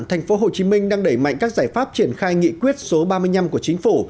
tp hcm đang đẩy mạnh các giải pháp triển khai nghị quyết số ba mươi năm của chính phủ